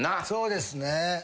そうですね。